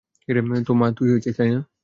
তো, মা তো তুই হয়েছিস, তাই না?